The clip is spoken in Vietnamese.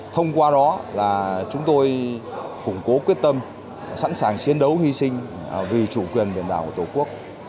thông qua đó là chúng tôi củng cố quyết tâm sẵn sàng chiến đấu hy sinh vì chủ quyền biển đảo của tổ quốc